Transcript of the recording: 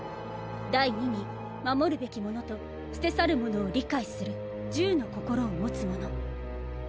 第二に護るべきものと捨て去るものを理解する柔の心を持つ者。